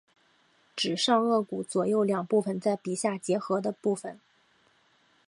指上腭骨左右两部份在鼻下接合的部份。